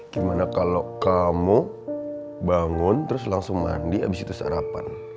gimana kalau kamu bangun terus langsung mandi abis itu sarapan